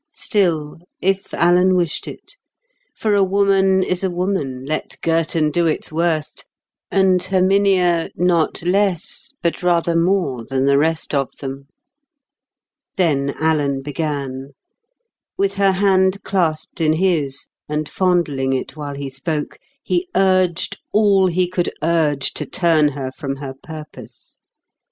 Still, if Alan wished it. For a woman is a woman, let Girton do its worst; and Herminia not less but rather more than the rest of them. Then Alan began. With her hand clasped in his, and fondling it while he spoke, he urged all he could urge to turn her from her purpose.